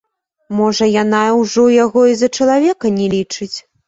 Можа, яна ўжо яго і за чалавека не лічыць?